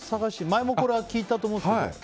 前も聞いたと思うんですけど。